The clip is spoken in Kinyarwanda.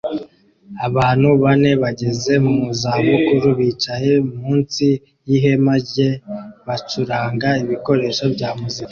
Abantu bane bageze mu zabukuru bicaye munsi yihema ryera bacuranga ibikoresho bya muzika